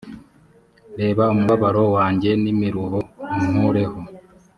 reba umubabaro wanjye n imiruho unkureho